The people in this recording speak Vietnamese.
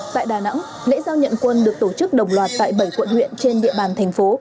tại đà nẵng lễ giao nhận quân được tổ chức đồng loạt tại bảy quận huyện trên địa bàn thành phố